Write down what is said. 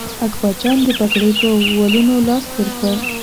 اکبرجان د پګړۍ په ولونو لاس تېر کړ.